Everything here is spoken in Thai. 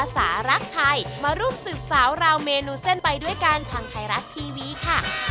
สวัสดีครับ